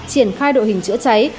triển khai đội hình chữa cháy